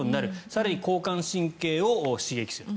更に交感神経を刺激する。